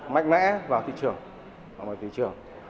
mạnh mẽ vào thị trường